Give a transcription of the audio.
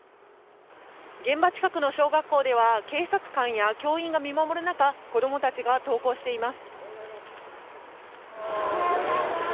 現場近くの小学校では警察官や教員が見守る中子供たちが登校しています。